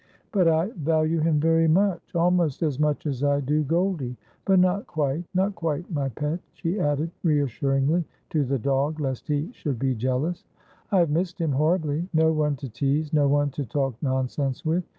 ' But I value him very much — almost as much as I do Goldie — but not quite, not quite, my pet,' she added reassuringly to the dog, lest he should be jealous. ' I have missed him horribly ; no one to tease ; no one to talk nonsense with.